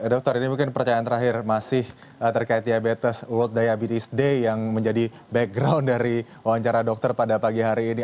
dokter ini mungkin pertanyaan terakhir masih terkait diabetes world diabetes day yang menjadi background dari wawancara dokter pada pagi hari ini